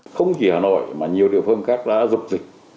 không chỉ ở hà nội mà nhiều địa phương khác đã dục dịch